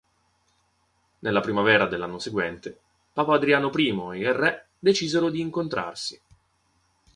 Nella primavera dell'anno seguente, papa Adriano I e il re decisero di incontrarsi.